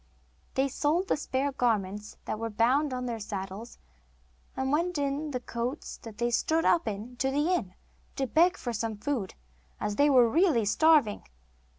They sold the spare garments that were bound on their saddles, and went in the coats they stood up in to the inn, to beg for some food, as they were really starving.